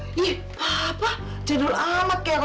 ih pak pak jadul amat ya